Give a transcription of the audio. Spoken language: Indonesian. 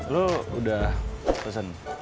lo udah pesen